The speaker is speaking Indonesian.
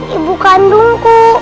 dia bukan kandungku